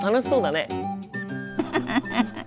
フフフフ。